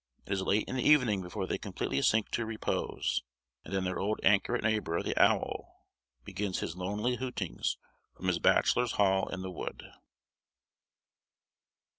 It is late in the evening before they completely sink to repose, and then their old anchorite neighbour, the owl, begins his lonely hootings from his bachelor's hall in the wood.